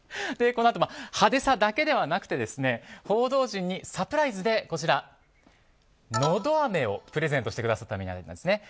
このあと派手さだけではなくて報道陣にサプライズでのどあめをプレゼントしてくださったんです。